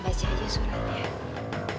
baca aja suratnya